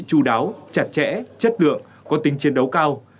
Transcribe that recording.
chú đáo chặt chẽ chất lượng có tính chiến đấu cao